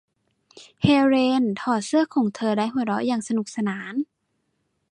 เฮเลนถอดเสื้อของเธอและหัวเราะอย่างสนุกสนาน